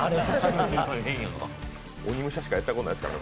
「鬼武者」しかやったことないですから。